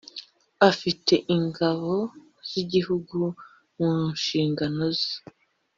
afite ingabo z ‘igihugu mu nshingano ze.